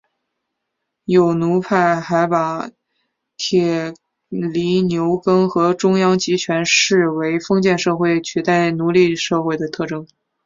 有奴派还把铁犁牛耕和中央集权视为封建社会取代奴隶社会的特征。